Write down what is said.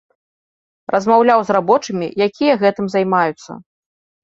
Размаўляў з рабочымі, якія гэтым займаюцца.